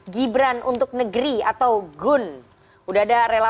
mas randi selamat malam